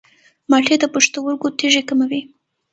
مالټې د پښتورګو تیږې کموي.